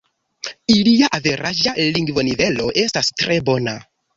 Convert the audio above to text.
Ilia averaĝa lingvonivelo estas tre bona.